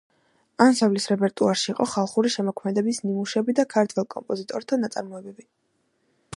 ანსამბლის რეპერტუარში იყო ხალხური შემოქმედების ნიმუშები და ქართველ კომპოზიტორთა ნაწარმოებები.